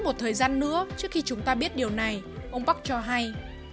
một thời gian nữa trước khi chúng ta biết điều này ông bắc cho hay